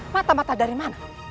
mata mata dari mana